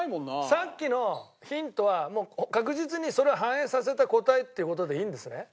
さっきのヒントは確実にそれを反映させた答えっていう事でいいんですね？